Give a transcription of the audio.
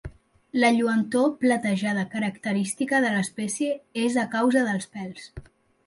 La lluentor platejada característica de l'espècie és a causa dels pèls.